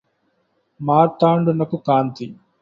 మార్తాండునకు కాంతి